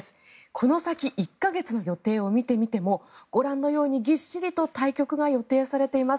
この先１か月の予定を見てみてもご覧のようにぎっしりと対局が予定されています。